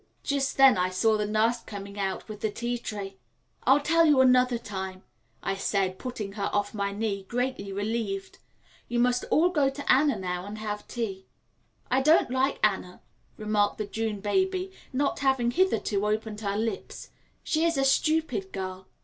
Just then I saw the nurse coming out with the tea tray. "I'll tell you the rest another time," I said, putting her off my knee, greatly relieved; "you must all go to Anna now and have tea." "I don't like Anna," remarked the June baby, not having hitherto opened her lips; "she is a stupid girl."